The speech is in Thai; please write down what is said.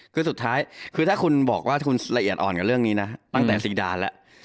คือสุดท้ายคือถ้าคุณบอกว่าคุณละเอียดอ่อนกับเรื่องนี้นะตั้งแต่ซีดานแล้ว